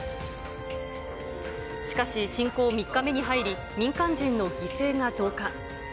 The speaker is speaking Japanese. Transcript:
しかし、侵攻３日目に入り、民間人の犠牲が増加。